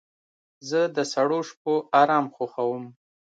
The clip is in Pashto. زه د سړو شپو آرام خوښوم.